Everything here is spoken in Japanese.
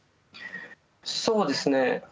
そうですね。